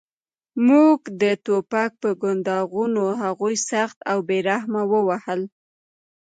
موږ د ټوپک په کنداغونو هغوی سخت او بې رحمه ووهل